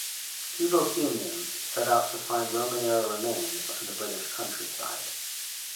Two Bohemians set out to find Roman era remains in the British countryside.